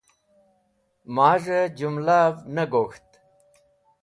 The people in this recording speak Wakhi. Maz̃hẽ jumlav ne gok̃hat.